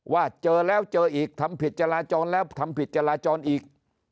ว่าเจอแล้วเจออีกทำผิดจราจรแล้วทำผิดจราจรอีก